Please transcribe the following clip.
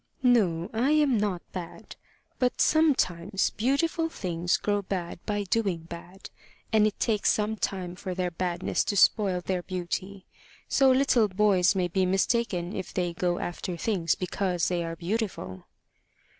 "No; I'm not bad. But sometimes beautiful things grow bad by doing bad, and it takes some time for their badness to spoil their beauty. So little boys may be mistaken if they go after things because they are beautiful."